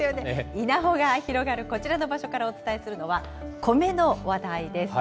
稲穂が広がるこちらの場所からお伝えするのは、コメの話題です。